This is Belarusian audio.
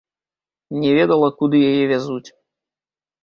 Не ведала, куды яе вязуць.